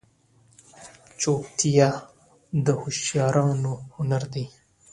چوپتیا، د هوښیارانو هنر دی.